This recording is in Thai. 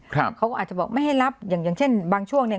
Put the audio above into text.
เขาก็อาจจะบอกไม่ให้รับอย่างอย่างเช่นบางช่วงเนี่ย